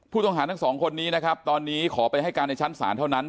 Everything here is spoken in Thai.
ทั้งสองคนนี้นะครับตอนนี้ขอไปให้การในชั้นศาลเท่านั้น